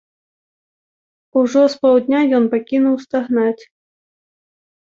Ужо з паўдня ён пакінуў стагнаць.